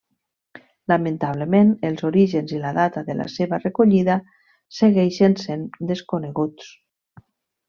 Lamentablement els orígens i la data de la seva recollida segueixen sent desconeguts.